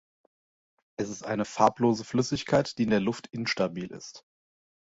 Es ist eine farblose Flüssigkeit, die in der Luft instabil ist.